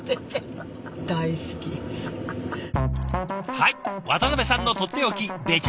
はい渡辺さんのとっておきベチャ